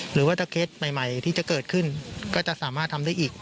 หรือว่าถ้าเคสใหม่ที่จะเกิดขึ้นก็จะสามารถทำได้อีก